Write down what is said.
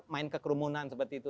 main kekerumunan seperti itu